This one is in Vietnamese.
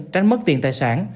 tránh mất tiền tài sản